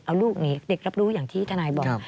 เอาลูกหนีเด็กรับรู้อย่างที่ทนายบอก